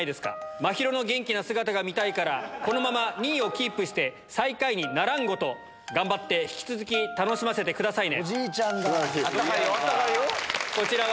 真宙の元気な姿が見たいから、このまま２位をキープして、最下位にならんごと、頑張って引き続き楽しませてくださいね。